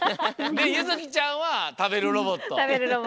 でゆづきちゃんはたべるロボット。